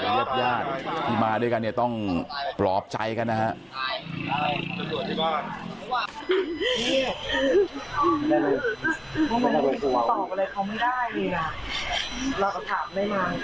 หยัดเข้ามาด้วยกันจะต้องปลอบใจกันนะครับ